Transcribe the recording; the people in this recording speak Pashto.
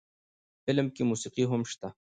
فلم کښې موسيقي هم شته